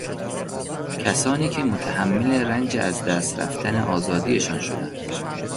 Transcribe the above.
کسانی که متحمل رنج از دست رفتن آزادیشان شدند